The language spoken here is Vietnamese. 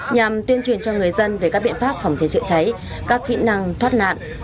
nhằm tuyên truyền cho người dân về các biện pháp phòng cháy chữa cháy các kỹ năng thoát nạn